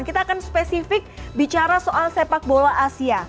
kita akan spesifik bicara soal sepak bola asia